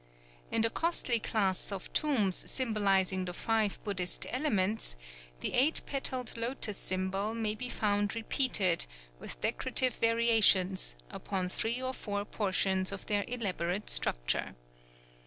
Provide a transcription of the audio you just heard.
In the costly class of tombs symbolizing the Five Buddhist Elements, the eight petalled lotos symbol may be found repeated, with decorative variations, upon three or four portions of their elaborate structure.